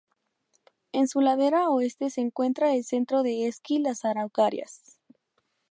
En su ladera oeste se encuentra el centro de esquí Las Araucarias.